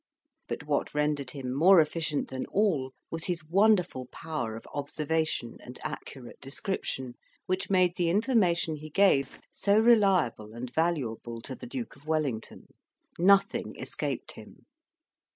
But what rendered him more efficient than all was his wonderful power of observation and accurate description, which made the information he gave so reliable and valuable to the Duke of Wellington. Nothing escaped him.